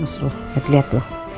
mas ruh liat liat loh